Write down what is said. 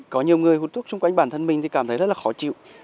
có nhiều người hút thuốc chung cánh bản thân thì phần mình cảm thấy rất khó chịu